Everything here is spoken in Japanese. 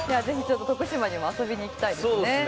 ぜひ徳島にも遊びに行きたいですね。